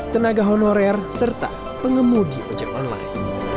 tenaga honorer serta pengemudi ojek online